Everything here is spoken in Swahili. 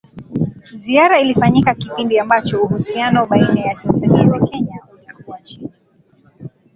Ziara ilifanyika kipindi ambacho uhusiano baina ya Tanzania na Kenya ulikuwa chini